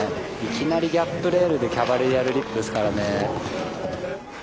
いきなりギャップレールでキャバレリアルリップですからね。